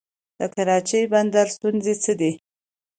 د کراچۍ بندر ستونزې څه دي؟